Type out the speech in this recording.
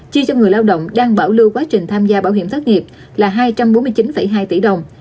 chi cho người lao động đang bảo lưu quá trình tham gia bảo hiểm thất nghiệp là hai trăm bốn mươi chín hai tỷ đồng